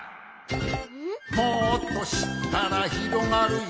「もっとしったらひろがるよ」